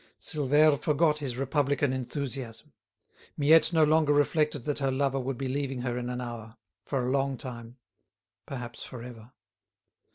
Silvère forgot his Republican enthusiasm; Miette no longer reflected that her lover would be leaving her in an hour, for a long time, perhaps for ever.